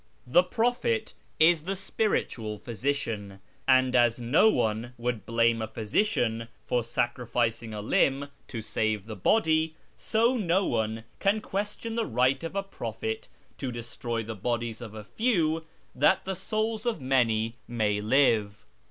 The prophet is the spiritual physician, and as no one would blame a physician for sacrific ing a limb to save the body, so no one can question the right of a prophet to destroy the bodies of a few, that the souls of many may live.